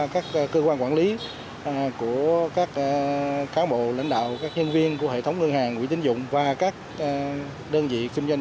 các bộ lãnh đạo các nhân viên của hệ thống ngân hàng quỹ tín dụng và các đơn vị kinh doanh